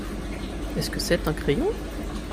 Est-ce que c'est un crayon ?